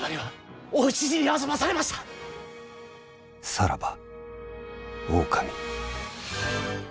さらば狼。